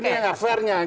ini yang afernya